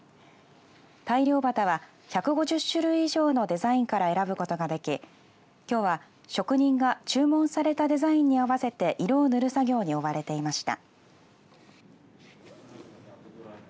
大漁旗は１５０種類以上のデザインから選ぶことができきょうは職人が注文されたデザインに合わせて色を塗る作業に追われていました。